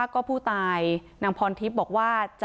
ก็เลยขับรถไปมอบตัว